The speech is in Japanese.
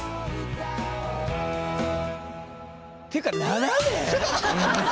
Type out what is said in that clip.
っていうか７年！